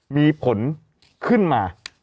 มีผลขึ้นมา